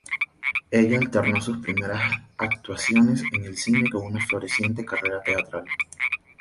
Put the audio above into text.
Ella alternó sus primeras actuaciones en el cine con una floreciente carrera teatral.